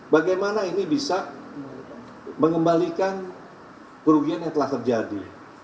bagaimana ini bisa mengembalikan kerugian yang telah terjadi